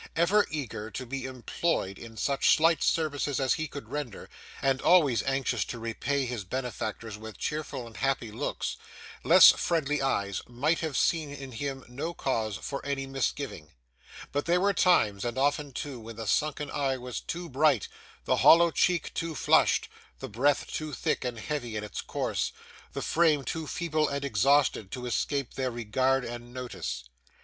Ever eager to be employed in such slight services as he could render, and always anxious to repay his benefactors with cheerful and happy looks, less friendly eyes might have seen in him no cause for any misgiving. But there were times, and often too, when the sunken eye was too bright, the hollow cheek too flushed, the breath too thick and heavy in its course, the frame too feeble and exhausted, to escape their regard and notice.